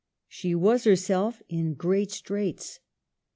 She was her self in great straits.